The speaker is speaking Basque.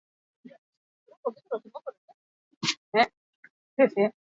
Ondoren, Logan izenarekin ere ezaguna egin zen.